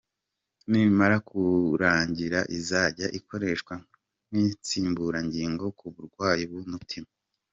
Nimara kurangira izajya ikoreshwa nk’insimburangingo ku barwayi b’umutima.